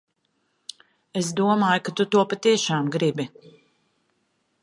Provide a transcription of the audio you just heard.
Es domāju, ka tu to patiešām gribi.